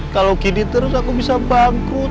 kalau gini terus aku bisa bangkut